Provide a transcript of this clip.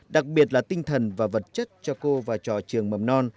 đặc biệt là tinh thần và vật chất cho cô và trò trường mầm non